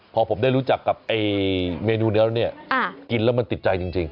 พอผมได้รู้จักกับเมนูนี้เนี่ยกินแล้วมันติดใจจริง